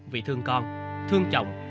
vì thương con thương chồng